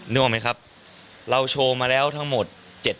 นึกออกไหมครับเราโชว์มาแล้วทั้งหมด